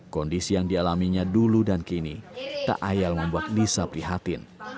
kondisi yang dialaminya dulu dan kini tak ayal membuat lisa prihatin